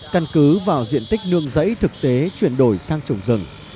căn cứ vào diện tích nương rẫy thực tế chuyển đổi sang trồng rừng